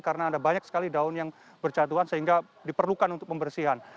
karena ada banyak sekali daun yang berjatuhan sehingga diperlukan untuk pembersihan